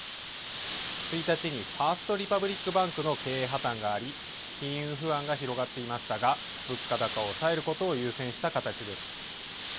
１日にファースト・リパブリック・バンクの経営破たんがあり、金融不安が広がっていましたが、物価高を抑えることを優先した形です。